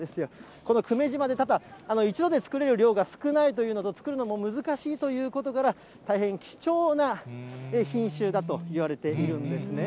この久米島で、一度で作れる量が少ないというのと作るのも難しいということから、大変貴重な品種だといわれているんですね。